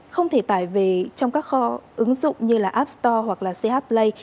không thể tải về trong các kho ứng dụng như app store hoặc ch play